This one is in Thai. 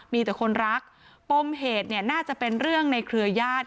มีแต่คนรักปมเหตุเนี่ยน่าจะเป็นเรื่องในเครือญาติ